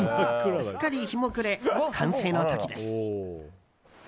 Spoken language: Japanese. すっかり日も暮れ、完成の時です。